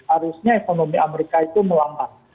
harusnya ekonomi amerika itu melambat